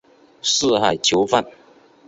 四海求凰。